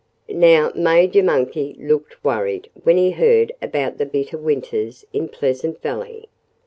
Now, Major Monkey looked worried when he heard about the bitter winters in Pleasant Valley.